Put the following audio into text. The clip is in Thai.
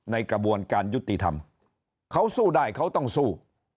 ในกระบวนการยุติธรรมเขาสู้ได้เขาต้องสู้